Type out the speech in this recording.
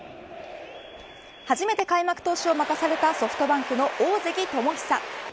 はじめて開幕投手を任されたソフトバンクの大関友久。